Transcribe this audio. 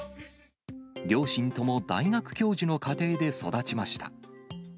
両親とも大学教授の家庭で育ちました。